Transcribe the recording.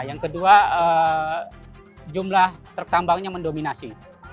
yang kedua jumlah truk tambangnya mendominasi